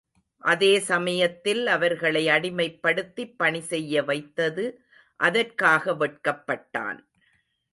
அதே சமயத்தில் அவர்களை அடிமைப்படுத்திப் பணி செய்ய வைத்தது அதற்காக வெட்கப் பட்டான்.